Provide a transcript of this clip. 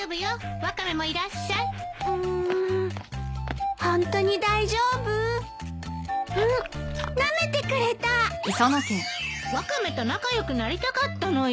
ワカメと仲良くなりたかったのよ。